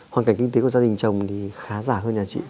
hoàn cảnh kinh tế của gia đình chồng thì khá giả hơn nhà chị